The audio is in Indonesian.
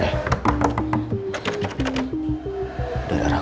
udah ada rakudang